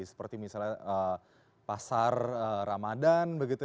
seperti misalnya pasar ramadan begitu